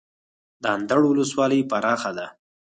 د اندړ ولسوالۍ پراخه ده